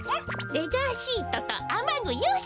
レジャーシートとあまぐよし！